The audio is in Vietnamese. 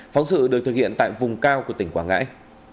phóng sự được thực hiện tại vùng cao của tỉnh quảng ngãi